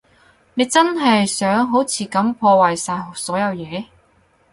你真係想好似噉破壞晒所有嘢？